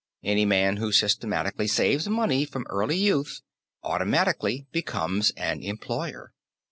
Any man who systematically saves money from early youth automatically becomes an employer.